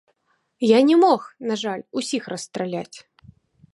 Я не мог, на жаль, усіх расстраляць.